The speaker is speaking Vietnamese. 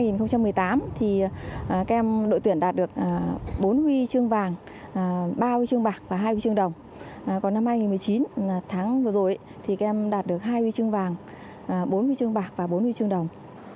năm hai nghìn một mươi tám đội tuyển đạt được bốn huy chương vàng ba huy chương bạc và hai huy chương đồng còn năm hai nghìn một mươi chín tháng vừa rồi đạt được hai huy chương vàng bốn huy chương bạc và bốn huy chương đồng